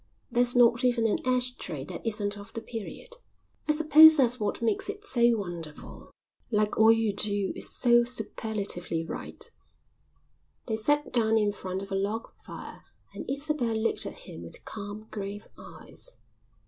There's not even an ashtray that isn't of the period." "I suppose that's what makes it so wonderful. Like all you do it's so superlatively right." They sat down in front of a log fire and Isabel looked at him with calm grave eyes.